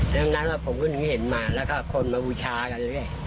เรื่องนั้นผมก็เห็นมาแล้วก็คนมาอุชากันเลย